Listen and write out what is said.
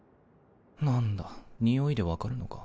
何だにおいで分かるのか。